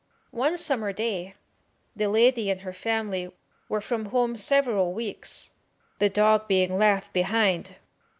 One summer day the lady and her family were from home several weeks, the dog being left behind.